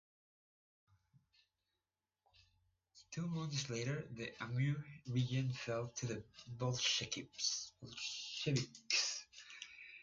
Two months later the Amur region fell to the Bolsheviks.